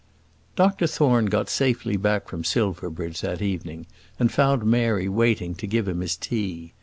Dr Thorne got safely back from Silverbridge that evening, and found Mary waiting to give him his tea.